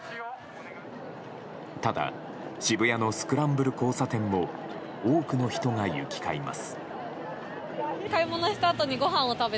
ただ、渋谷のスクランブル交差点も多くの人が行き交います。